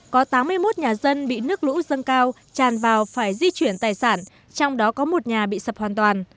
có tám mươi một nhà dân bị nước lũ dâng cao tràn vào phải di chuyển tài sản trong đó có một nhà bị sập hoàn toàn